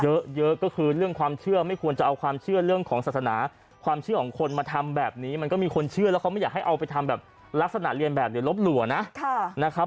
เยอะเยอะก็คือเรื่องความเชื่อไม่ควรจะเอาความเชื่อเรื่องของศาสนาความเชื่อของคนมาทำแบบนี้มันก็มีคนเชื่อแล้วเขาไม่อยากให้เอาไปทำแบบลักษณะเรียนแบบเดี๋ยวลบหลั่วนะนะครับ